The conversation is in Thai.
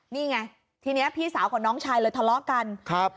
นี่ไงทีนี้พี่สาวกับน้องชายเลยทะเลาะกันครับ